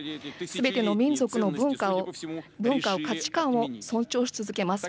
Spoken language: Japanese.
すべての民族の文化を、価値観を尊重し続けます。